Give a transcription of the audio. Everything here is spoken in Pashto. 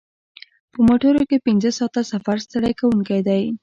په موټر کې پنځه ساعته سفر ستړی کوونکی دی.